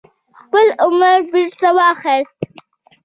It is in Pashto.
خپل امر بيرته واخيست